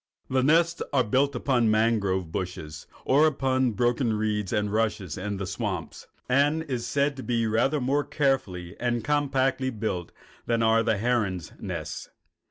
The nest is built upon the mangrove bushes or upon the broken reeds and rushes in the swamps, and is said to be rather more carefully and compactly built than are the herons' nests.